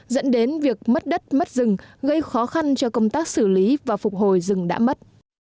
dẫn đến việc mất đất mất rừng gây khó khăn cho công tác xử lý và phục hồi rừng đã mất